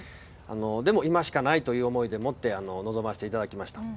でも、今しかないという思いでもって臨ましていただきました。